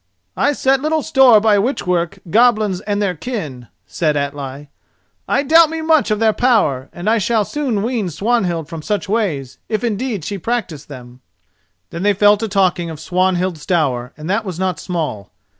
"I set little store by witchwork, goblins and their kin," said Atli. "I doubt me much of their power, and I shall soon wean Swanhild from such ways, if indeed she practise them." Then they fell to talking of Swanhild's dower, and that was not small.